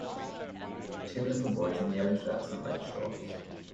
Two little boys in yellow shirts and red shorts.